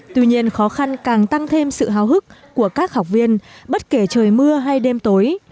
tuy nhiên khó khăn càng tăng thêm sự hào hức của các học viên bất kể trời mưa hay đêm tối